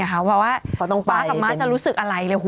เพราะว่าตรงป๊ากับม้าจะรู้สึกอะไรเลย